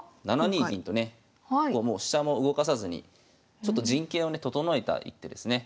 ７二銀とねもう飛車も動かさずにちょっと陣形をね整えた一手ですね。